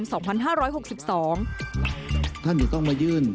ท่านจะต้องมายื่นเพื่อที่จะคืนบายอนุญาต